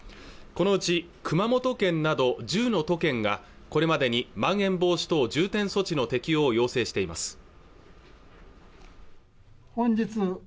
このうち熊本県など１０の都県がこれまでにまん延防止等重点措置の適用を要請しています